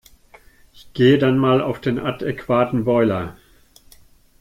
Ich gehe dann mal auf den adäquaten Boiler.